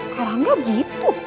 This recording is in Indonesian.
karena gak gitu